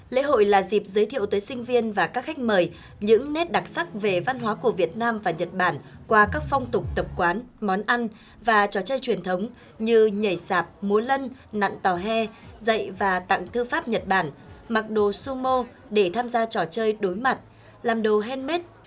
lễ hội là dịp giới thiệu tới sinh viên và các khách mời những nét đặc sắc về văn hóa của việt nam và nhật bản qua các phong tục tập quán món ăn và trò chơi truyền thống như nhảy sạp múa lân nặn tòa hè dạy và tặng thư pháp nhật bản mặc đồ somo để tham gia trò chơi đối mặt làm đồ handmade